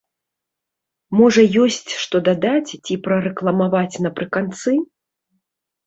Можа, ёсць, што дадаць, ці прарэкламаваць напрыканцы?